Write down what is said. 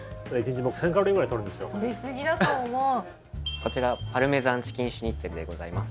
こちらパルメザンチキンシュニッツェルでございます。